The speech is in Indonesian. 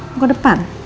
mau ke depan